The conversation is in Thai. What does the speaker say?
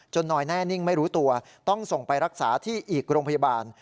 นอยแน่นิ่งไม่รู้ตัวต้องส่งไปรักษาที่อีกโรงพยาบาล